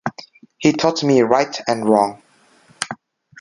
He taught me right and wrong.